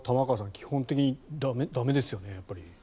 基本的に駄目ですよね。